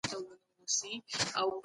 د سرچینو سم مدیریت تل اړین دی.